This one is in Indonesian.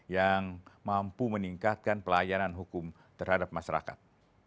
yang mampu meningkatkan pelayanan hukum terhadap masyarakat